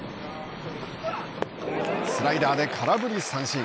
スライダーで空振り三振。